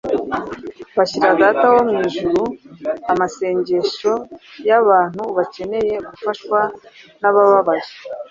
bashyira Data wo mu ijuru amasengesho y’abantu bakeneye gufashwa n’abababaye,